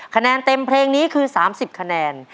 คะแนนเต็มเพลงนี้คือ๓๐คะแนน